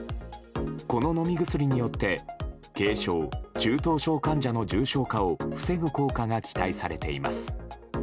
この飲み薬によって軽症・中等症患者の重症化を防ぐ効果が期待されています。